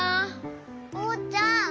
おうちゃん